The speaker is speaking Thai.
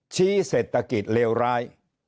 เศรษฐกิจเลวร้าย